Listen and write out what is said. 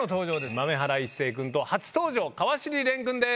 豆原一成君と初登場川尻蓮君です。